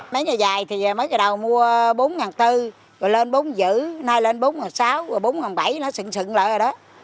mấy ngày dài thì mới đầu mua bốn bốn trăm linh rồi lên bốn năm trăm linh nay lên bốn sáu trăm linh rồi bốn bảy trăm linh nó sựng sựng lại rồi đó